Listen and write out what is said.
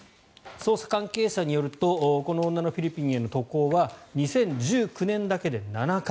捜査関係者によるとこの女のフィリピンへの渡航は２０１９年だけで７回。